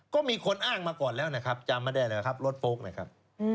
ก็มีคนอ้างมาก่อนแล้วนะครับจำไม่ได้แล้วครับรถโฟลกนะครับ